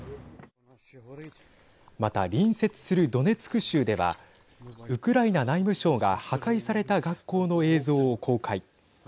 また、隣接するドネツク州ではウクライナ内務省が破壊された学校の映像を公開。